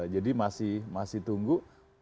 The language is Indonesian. jadi masih tunggu